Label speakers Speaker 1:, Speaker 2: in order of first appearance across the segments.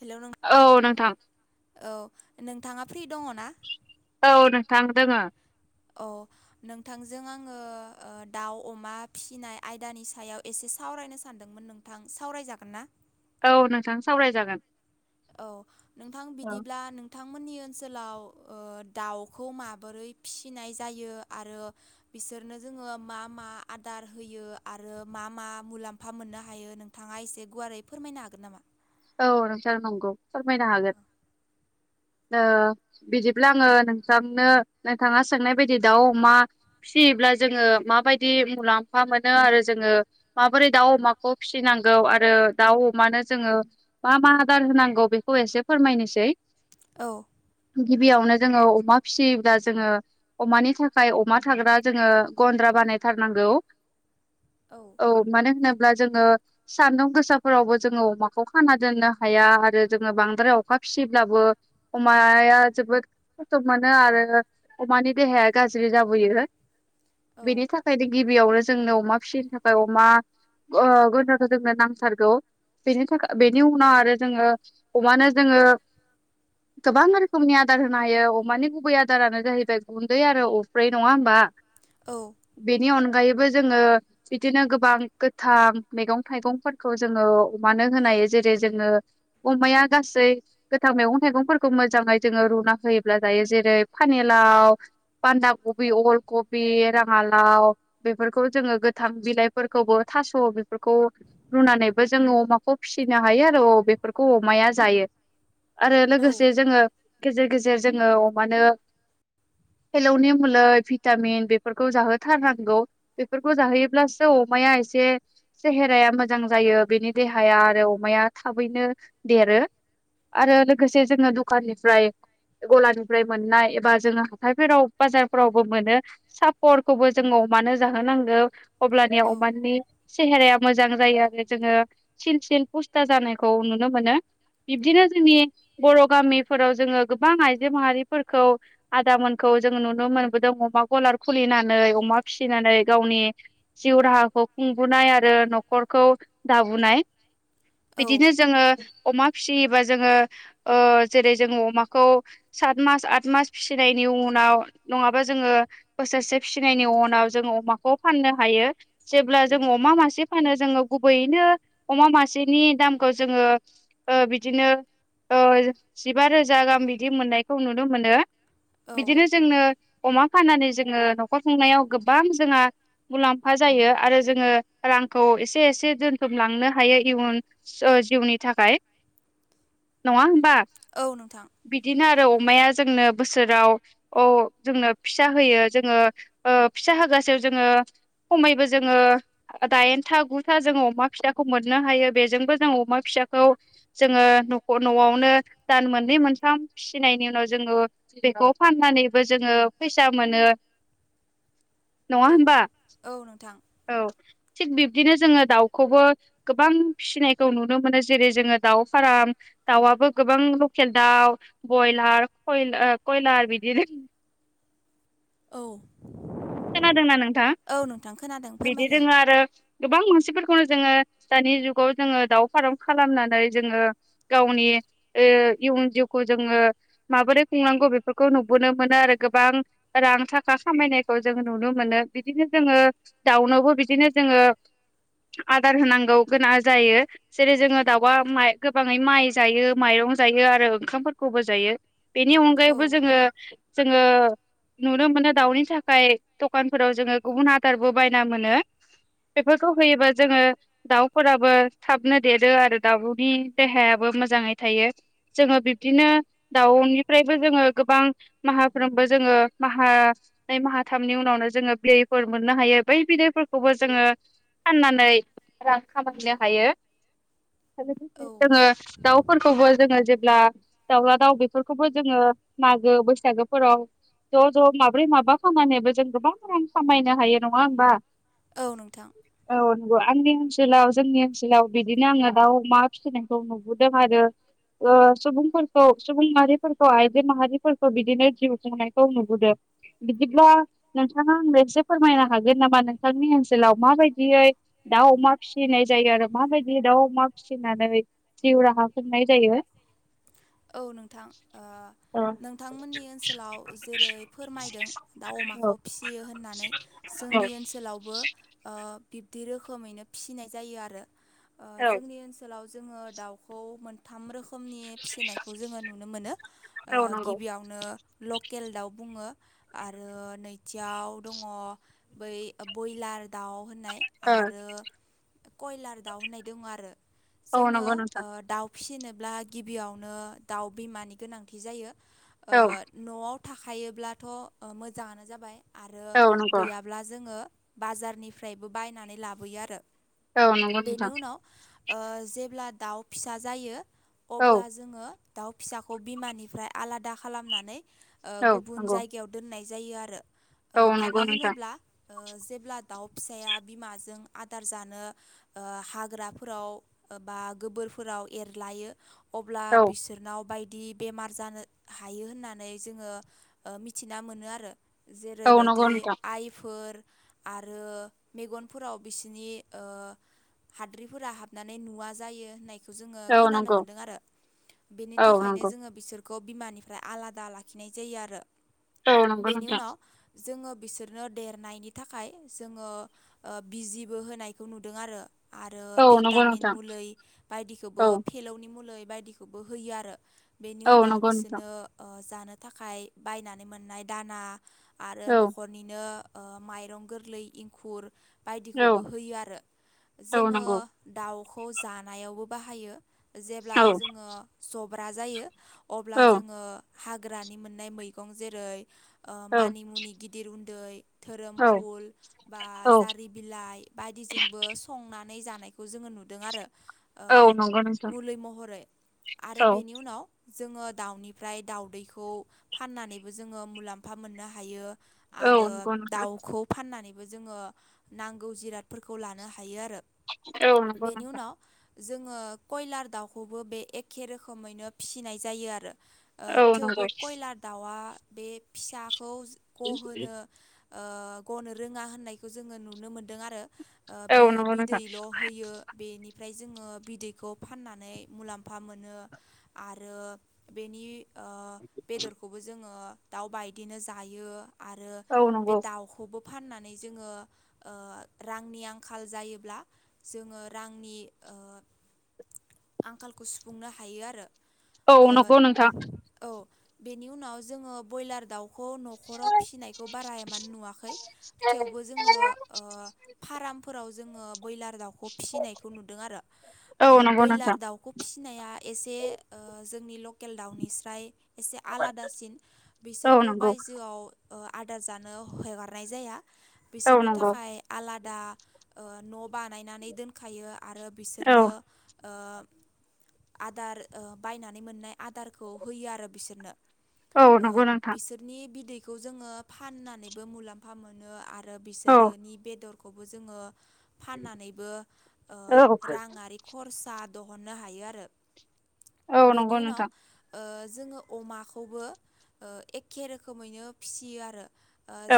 Speaker 1: Hello नों
Speaker 2: औ नोंथां
Speaker 1: औ नोंथाङा फ्रि दङ ना
Speaker 2: औ नोंथां दोङो
Speaker 1: अ नोंथांजों आङो दाउ अमा फिसिनाय आयदानि सायाव एसे सावरायनो सानदोंमोन नोंथां सावरायजागोन ना
Speaker 2: औ नोंथां सावरायजागोन
Speaker 1: औ नोंथां
Speaker 2: औ
Speaker 1: बिदिब्ला नोंथां बिथांमोननि ओनसोलाव दाउखौ माबोरै फिसिनाय जायो आरो बिसोरनो जोङो मा मा आदार होयो आरो मा मा मुलाम्फा मोननो हायो नोंथाङाय एसे गुारै फोरमायनो हागोन नामा?
Speaker 2: औ नोंसार नंगौ फोरमायनो हागोन।
Speaker 1: [inaudible]
Speaker 2: बिदिब्ला आङो नोंथांनो नोंथाङा सोंनाय बायदि दाउ अमा फिसियोब्ला जोङो माबायदि मुलाम्फा मोनो आरो जोङो माबोरै दाउ अमाखौ फिसिनांगौ आरो आरो दाउ अमानो जोङो मा मा आदार होनांगौ बेखौ एसे फोरमायनोसै।
Speaker 1: औ।
Speaker 2: ग बेबियावनो जोङो अमा फिसियोब्ला जोङो अमानि थाखाय अमा थाग्रा जोङो गन्द्रा बानाय थारनांगौ। औ मानो होनोब्ला जोङो सान्दुं गोसाफोरावबो जोङो अमाखौ खाना दोननो हाया आरो जोङो बांद्राय अखा फिसिब्लाबो अमाया जोबोद थ मोनो आरो अमानि देहाया गाज्रि जाबोय।
Speaker 1: औ
Speaker 2: बेनि थाखायनो गिबियावनो जोंनो अमा फिसिनो थाखाय अमा गन्द्राखौ जोंनो नांथारगौ बेनि थाखाय बेनि उनाव आरो जोङो अमानो जोङो गोबां रोखोमनि आदार होनो हायो अमानि गुबै आदारानो जाहैबाय गुन्दै आरो अब्रै नङा होमबा। बेनि अन अनगायैबो जोङो बिदिनो गोबां गोथां मैगं थाइगंफोरखौ जोङो अमानो होनाय जेरै जोङो अमाया गासै गोथां मैगं थाइगंफोरखौ मोजाङै जोङो रुना होयोब्ला ज ायो जेरै फानेलाव बान्दा कबि अल कबि राङाालाव बेफोरखौ जोङो गोथां बिलाइफोरखौबो थास' बेफोरखौ रुनानैबो जोङो अमाखौ फिसिनो हायो आरो औ बेफोरखौ अमाया जायो आरो लोगोसे जोङो गेजेर गेजेर जोङो अमानो
Speaker 1: [inaudible]
Speaker 2: हेलौनि मलै भिटामिन बेफोरखौ जाहोथारनांगौ बेफोरखौ जाहोयोब्लासो अमाया एसे सेहेराया मोजां जायो बेनि देहाया आरो अमाया थाबैनो देरो आरो लोगोसे जोङो दखाननिफ्राय गलानिफ्राय मोननाय एबा जोङो हाथायफोराव बाजारफोरावबो मोनो सापर्टखौबो जोङो अमानो जाहोनांगौ अब्लानि
Speaker 1: औ
Speaker 2: अमानिानि सेहेराया मोजां जायो आरो जोङो सिन सिन था जानायखौ नुनो मोनो बिब्दिनो जोंनि बर' गामिफोराव जोङो गोबां आइजो माहारिफोरखौ आदामोनखौ जों नुनो मोनबोदों अमा गलार खुलिनानै अमा फिसिनानै गावनि जिउ राहाखौ खुंबोननाय आरो न'खरखौ दाबोनाय बिदिनो जोङो अमा फिसियोबा जोङो जेरै जोङ अमाखौ सात मास आथ मास फिसिनायनि उनाव नङा जोङो बोसोरसे फिसिनायनि उनाव जों अमाखौ फाननो हायोे। जा ज गुबनोा मासे नि दामखौ जोङो बिदिनो जिबा रोजा गाह बिदि मोननायखौ नुनो मोनो
Speaker 1: औ
Speaker 2: बिदिनो जोंनो अमा फाननानै जोङो न'खर खुंनायाव गोबां जोंहा मुलाम्फा जायो आरो जोङो रांखौ एसे एसे दोनथुम लांनो हायोै जि जिउनि थाखाय नङा होमबा।
Speaker 1: औ नोंथां
Speaker 2: बिदिनो आरो अमाया जोंनो बोसोराव अ जोंनो फिसा होयो जोङो फिसा होगासे जोङो खमैबो जोङो दाइनथा गुथा जो अमा फिसाखौ मोन मोननो हायो बेजोंबो जों अमा फिसाखौ जोङो नख'-न'आवनो दान मोननै मोनथाम फिसिनायनि उनाव जोङो बेखौ फाननानैबो जोङो फैसा मोनो।
Speaker 1: [inaudible]
Speaker 2: नङा होमबा?
Speaker 1: औ नोंथां
Speaker 2: औ, थिग बिब्दिनो जोङो दाउखौबो गोबां फिसिनायखौ नुनो मोनो जेरै जोङो दाउ फाराम दाउआबो गोबां लकेल दाउ, बयलार, खयला ओ कयलार बिदि रोखोमनि।
Speaker 1: औ।
Speaker 2: खोनादोंना नोंथां
Speaker 1: औ नोंथां खोनादों
Speaker 2: बिदि
Speaker 1: फोरमायलाय
Speaker 2: दोङो आरो गोबां मान- सिफोरखौनो जोङो दानि जुगाव जोङो दाउ फाराम खालामनानै जोङो गावनि ओ इयुन जिउखौ जोङो माबोरै खुंनांगौ बेफोरखौ नुबोनो मोनो आरो गोबां रां थाखा खामायनायखौ जों नुनो मोनो। बिदिनो जोङो दावउनोबो बिदिनो जोङो आदार होनांगौ गोनां जायो। जेरै जोङो दाउआ गोबाङै माइ जायो माइरं जायो आरो ओंखामफोरखौबो जायो। बेनि
Speaker 1: औ
Speaker 2: अनगायैबो जोङो जोङो नुनो मोनो दाउनि था- खाय दकानफोराव जोङो गुबुन आदारबो बायना मोनो। बेफोरखौ होयोबा जोङो दाउफोराबो थाबनो देरो आरो दाउनि देहायाबो मोजाङै थायो। जोङो बिबदिनो दाउनिफ्रायबो जोङो गोबां माहाफ्रोमबो‌ जोङो माहा- नै माहाथामनि उनावनो जोङो बिदैफोर मोननो हायो बै बिदैफोरखौबो जोङो फाननानै रां खामायनो हायो।
Speaker 1: [inaudible]
Speaker 2: बेजों
Speaker 1: औ
Speaker 2: लोगोसे जोङो दाउ- फोरखौबो जोङो जेब्ला दाउला दाउ बेफोरखौबो जोङो मागो बैसागोफोराव ज' ज' माब्रै माबा फाननानैबो जों गोबां रां खामायनो हायो नङा होमबा?
Speaker 1: औ नोंथां।
Speaker 2: औ नंगौ आंनि ओनसोलाव जोंनि ओनसोलाव बिदिनो आङो दाउ अमा फिसिनायखौ नुबोदों आरो। ओ सुबुंफोरखौ सुबुं माहारिफोरखौ आइजो माहारिफोरखौ बिदिनो जिउ खुंनायखौ नुबोदों। बिदिब्ला नोंथाङा आंनो एसे फोरमायनो हागोन नामा नोंथांनि ओनसोलाव माबायदियै दाउ अमा फिसिनाय जायो आरो माबायदि दाउ अमा फिसिनानै जिउ राहा खुंनाय जायो?
Speaker 1: औ नोंथां ओ
Speaker 2: औ
Speaker 1: नोंथांमोननि ओनसोलाव जेरै फोरमायदों दाउ अमाखौ
Speaker 2: औ
Speaker 1: फिसियो होननानै
Speaker 2: औ
Speaker 1: जोंनि ओनसोलावबो ओ बिब्दि रोखोमैनो फिसिनाय जायो आरो। ओ
Speaker 2: औ
Speaker 1: जोंनि ओनसोलाव जोङो दाउखौ मोन- थाम रोखोमनि फिसिनायखौ जोङो नुनो मोनो। ओ
Speaker 2: औ नंगौ
Speaker 1: गिबियावनो लकेल दाउ, बुङो आरो नैथियाव दङ' बै ओ बयलार दाउ होननाय
Speaker 2: ओ
Speaker 1: आरो कयलार दाउ होननाय दोङ' आरो।
Speaker 2: औ
Speaker 1: जोङो
Speaker 2: नंगौ
Speaker 1: ओ
Speaker 2: नोंथां
Speaker 1: दाउ फिसिनोब्ला गिबियावनो दाउ बिमानि गोनांथि जायो। ओ
Speaker 2: औ
Speaker 1: न'आव थाखायोब्लाथ' ओ मोजाङानो जाबाय आरो
Speaker 2: औ नंगौ
Speaker 1: गैयाब्ला जोङो बाजारनिफ्रायबो बायनानै लाबोयो आरो।
Speaker 2: औ नंगौ
Speaker 1: बेनि
Speaker 2: नोंथां
Speaker 1: उनाव ओ जेब्ला दाउ फिसा जायो
Speaker 2: औ
Speaker 1: अब्ला जोङो दाउ फिसाखौ बिमानिफ्राय आलादा खालामनानै ओ
Speaker 2: औ
Speaker 1: गुबुन
Speaker 2: नंगौ
Speaker 1: जायगायाव दोननाय जायो आरो। ओ
Speaker 2: औ
Speaker 1: मानो
Speaker 2: नंगौ नोंथां
Speaker 1: होनोब्ला ओ जेब्ला दाउ फिसाया बिमाजों आदार जानो ओ हाग्राफोराव बा गोबोरफोराव एरलायो अब्ला
Speaker 2: औ
Speaker 1: बिसोरनाव बाय- दि बेमार जानो हायो होननानै जोङो ओ मिथिना मोनो आरो।
Speaker 2: औ नंगौ नोंथां
Speaker 1: जेरैबायदि-आइफोर, आरो मेगनफोराव बिसिनि ओ हाद्रिफोरा हाबनानै नुवा जायो होननाय जोङो
Speaker 2: औ
Speaker 1: खोनानो
Speaker 2: नंगौ
Speaker 1: मोनदों आरो। बेनि
Speaker 2: औ
Speaker 1: थाखायनो
Speaker 2: नंगौ
Speaker 1: जोङो बिसोर- खौ बिमानिफ्राय आलादा लाखिनाय जायो आरो।
Speaker 2: औ नंगौ
Speaker 1: बेनि
Speaker 2: नोंथां
Speaker 1: उनाव जोङो बिसोरनो देरनायनि थाखाय जोङो बिजिबो होनायखौ नुदों आरो आरो
Speaker 2: औ नंगौ
Speaker 1: भिटामिन
Speaker 2: नोंथां
Speaker 1: मुलि बायदिखौबो
Speaker 2: औ
Speaker 1: फिलौनि मुलि बायदिखौबो होयो आरो बेनि
Speaker 2: औ
Speaker 1: उनाव
Speaker 2: नंगौ नोंथां
Speaker 1: बिसोरनो जानो थाखाय बायनानै मोननाय दाना आरो
Speaker 2: औ
Speaker 1: न'खरनिनो माइरं गोरलै इंखुर
Speaker 2: औ
Speaker 1: बायदिखौबो होयो आरो
Speaker 2: औ
Speaker 1: जोङो
Speaker 2: नंगौ
Speaker 1: दाउखौ खौ जानायावबो बाहायो जेब्ला
Speaker 2: औ
Speaker 1: जोङो जब्रा जायो अब्ला
Speaker 2: औ
Speaker 1: जोङो हाग्रानि मोननाय मैगं जेरै ओ
Speaker 2: औ
Speaker 1: मानि मुनि गिदिर उन्दै धोरोम फुल बा
Speaker 2: औ
Speaker 1: जारि बिलाइ बायदिजोंबो संनानै नै जनायखौ जोङो नुदों आरो
Speaker 2: औ नंगौ नोंथां
Speaker 1: महरै आरो
Speaker 2: औ
Speaker 1: बेनि उनाव जोङो दाउनिफ्राय दाउदैखौ फाननानैबो जोङो मुलाम्फा मोननो हायो
Speaker 2: औ
Speaker 1: आरो
Speaker 2: नंगौ नोंथां
Speaker 1: दाउखौ फाननानै जोङो नांगौ जिरादफोरखौ लानो हायो आरो
Speaker 2: औ नंगौ
Speaker 1: बेनि
Speaker 2: नोंथां
Speaker 1: उनाव जोङो कयलार दाउखौबो बे एखे रोखोमैनो फिसिनाय जायो आरो
Speaker 2: औ नंगौ
Speaker 1: थेवबो कयलार दाउआ बे फिसाखौ गहोनो गनो रोङा होननायखौ जोङो नुनो मोनदों आरो
Speaker 2: औ
Speaker 1: बेयो
Speaker 2: नंगौ नोंथां
Speaker 1: बिदैल' होयो बेनिफ्राय जोङो बिदैखौ फाननानै मुलाम्फा मोनो आरो बेनि बेदरखौबो जोङो दाउबायदिनो जायो आरो
Speaker 2: औ
Speaker 1: बे
Speaker 2: नंगौ
Speaker 1: दाउखौबो फाननानै जोङो रांनि आंखाल जायोब्ला जोङो रांनि आंखालखौ सुफुंनो हायो आरो
Speaker 2: औ
Speaker 1: ओ
Speaker 2: नंगौ नोंथां
Speaker 1: औ बेनि उनाव जोङो ब्रयलार दाउ खौ नख'राव फिनायखौबारा इमान नुवाखै थेवबो जोङो फारामफोराव जोङो बयलार दाउखौ फिनायखौ नुदों आरो
Speaker 2: औ नंगौ
Speaker 1: बयलाल
Speaker 2: नोंथां
Speaker 1: दाउ दाउखौ फिसिनाया एसे जोंनि लकेल दाउनिस्राय एसे आलादासिन
Speaker 2: औ
Speaker 1: बिसोरखौ
Speaker 2: नंगौ
Speaker 1: बायजोआव आदार जानो हगारनाय जाया
Speaker 2: औ
Speaker 1: बिसोरनि
Speaker 2: नंगौ
Speaker 1: थाखाय आलादा न' बानायनानै दोनखायो आरो
Speaker 2: औ
Speaker 1: बिसोरनो आदार बायनानै मोननाय आदारखौ होयो आरो बिसोरनो
Speaker 2: औ
Speaker 1: ओ
Speaker 2: नंगौ नोंथां
Speaker 1: बिसोरनि बिदैखौ जोङो फाननानैबो मुलाम्फा मोनो आरो
Speaker 2: औ
Speaker 1: बिसोरोनि बेदरखौबो जोङो फाननानैबो
Speaker 2: औ
Speaker 1: राङारि खरसा मोननो हायो आरो
Speaker 2: औ
Speaker 1: बिनि
Speaker 2: नंगौ
Speaker 1: उनाव
Speaker 2: नोंथां
Speaker 1: ओ जोङो अमाखौबो एखे रोखोमैनो फिसियो आरो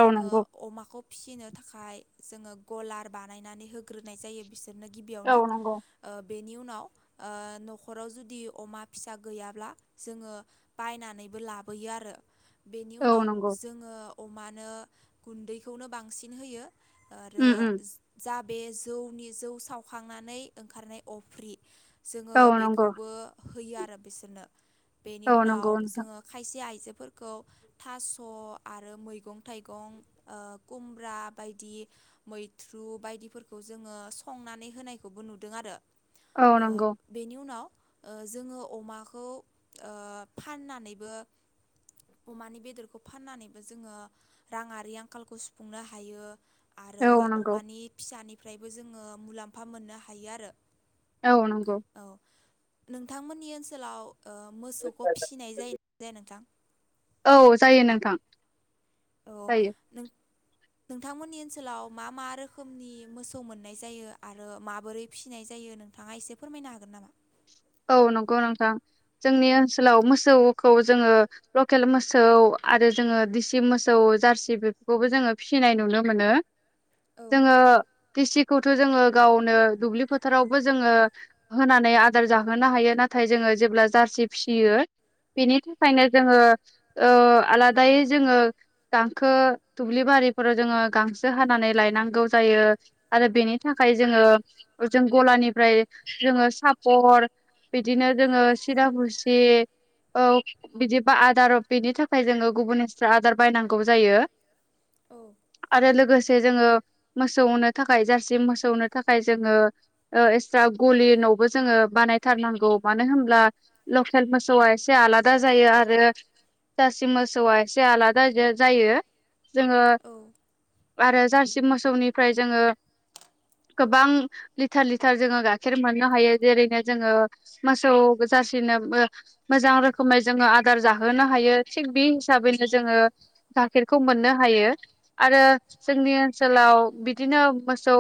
Speaker 2: औ नंगौ
Speaker 1: अमाखौ फिसिनो थाखाय जोङो गलार बानायनानै होग्रोनाय जायो बिसोरनो
Speaker 2: औ
Speaker 1: गिबियावनो
Speaker 2: नंगौ
Speaker 1: बेनि उनाव ओ न'खराव जुदि अमा फिसा गैयाब्ला जोङो बायनानैबो लाबोयो आरो बेनि
Speaker 2: औ
Speaker 1: उनाव
Speaker 2: नंगौ
Speaker 1: जोङो अमानो गुन्दैखौनो बांसिन होयो आरो
Speaker 2: उम उम
Speaker 1: जा बे जौनि जौ सावखांनानै ओंखारनाय अफ्रि जोङो
Speaker 2: औ नंगौ
Speaker 1: बेखौबो होयो आरो बिसोरनो बेनि
Speaker 2: औ
Speaker 1: उनाव
Speaker 2: नंगौ नोंथां
Speaker 1: जोङो खायसे आइजो फोरखौ थास' आरो मैगं थाइगं खुमब्रा बायदि मैथ्रु बायदिफोरखौ जोङो संनानै होनायखौबो नुदों आरो
Speaker 2: औ
Speaker 1: ओ
Speaker 2: नंगौ
Speaker 1: बेनि उनाव ओ जोङो अमाखौ ओ फाननानैबो अमानि बेदरखौ फाननानैबो जोङो राङारि आंखालखौ सुफुंनो हायो आरो
Speaker 2: औ नंगौ
Speaker 1: अमानि फिसानिफ्रायबो जोङो मुलाम्फा मोननो हायो आरो
Speaker 2: औ नंगौ
Speaker 1: औ नोंथांमोननि ओनसोलाव ओ मोसौखौ फिनाय जायो ना जाया नोंथां।
Speaker 2: औ जायो नोंथां
Speaker 1: औ
Speaker 2: जायो
Speaker 1: नों नोंथांमोननि ओनसोलाव मा मा रोखोमनि मोसौ मोननाय जायो आरो माबोरै फिसिनाय जायो नोंथाङा एसे फोरमायनो हागोन नामा
Speaker 2: औ नंगौ नोंथां जोंनि ओनसोलाव मोसौखौ जोङो लकेल मोसौ। आरो जोङो दिसि मोसौ जारसि बेफोरखौबो जोङो फिनाय नुनो मोनो।
Speaker 1: औ
Speaker 2: जोङो डिस्ट्रिक्ट। खौथ' जोङो गावनो दुब्लि फोथारावबो जोङो होनानै आदार जा सांहोनो हायो नाथाय जोङो जेब्ला जारसि फिसियो [unintelligible] बेनि थाखायनो जोङो आलादायै जोङो दांखो दुब्लि बा जो गांसो हानानै लायनांगौ जायो आरो बेनि थाखाय जो गलानिफ्राय जोङो सापर बिदिनो जोङो सिदपुसि औ बिदिबा आदार बेनि थाखाय जोङो गुबुननिस आदार बायनांगौ जायो।
Speaker 1: औ
Speaker 2: आरो लोगोसे जोो [unintelligible] मोनो थाखाय जारसि मोसौनो थाखाय जोङो [inaudible] [inaudible] थारनांगौ मानो होनब्ला लकेल मोसौआ एसे आलादा जायो आरो जासि मोसौआ एसे आलादा जायो जोङो
Speaker 1: औ
Speaker 2: आरो जारसि मोसौनिफ्राय जोङो गोबां लिटार लिटार जोङो गाइखेर मोननो हायो जेरैनो जोङो मोसौ जासिनो मोजां रोखोमै जोङो आदार जाहोनो हायो थि बि हिसाबैनो जोङो गाइखेरखौ मोननो हायो आरो जोंनि ओनसोलाव बिदिनो मोसौ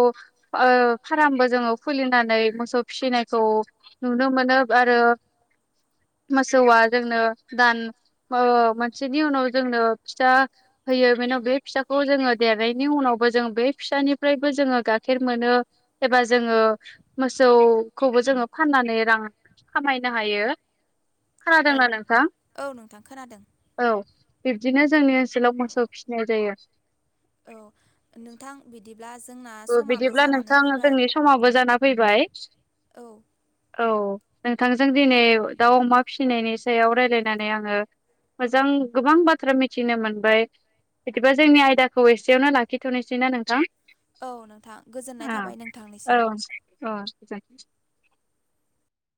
Speaker 2: फार्मबो जोङो खुलिनानै मोसौ फिसिनायखौ नुनो मोनाने [unintelligible] आरो मोसौआ जोंनो दान मोनसेनि उनाव जोंनो फिथा होयो बेनिनाव बे फिसाखौ जोङो देरनायनि उनावबो जों बे फिसानिफ्रायबो जोङो गाइखेर मोनो। एबा जोङो मोसौखौबो जोङो। फाननानै रां खामायनो हायो खोनादोंना नोंथां
Speaker 1: औ नोंथां खोनादों
Speaker 2: औ बिबदिनो जोंनि ओनसोलाव मोसौ फिनाय जायो
Speaker 1: औ नोंथां बिदि
Speaker 2: बिदिब्ला नोंथां जोंनि समावबो जाना फैबाय
Speaker 1: औ
Speaker 2: औ नोंथांजों दिनै दाउ अमा फिसिनायनि सायाव रायजलायनानै आङो मोजां गोबां बाथ्रा मिथिनो मोनबाय बिदिबा जोंनि आयदाखौ एसेयावनो लाखिथ'नोसैनाा [unintelligible] नोंथां
Speaker 1: औ नोंथां गोजोननाय थाबाय नोंथांनिसिम
Speaker 2: ज